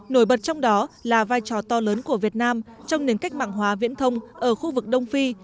nổi bật trong đó là vai trò to lớn của việt nam trong nền cách mạng hóa viễn thông ở khu vực đông phi